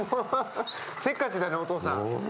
せっかちだねお父さん。